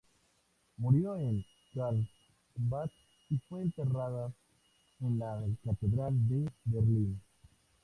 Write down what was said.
Murió en Karlsbad y fue enterrada en la Catedral de Berlín.